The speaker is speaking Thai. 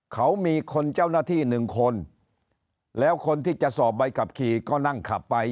เขามีคนเจ้าหน้าที่หนึ่งคนแล้วคนที่จะสอบใบขับขี่ก็นั่งขับไป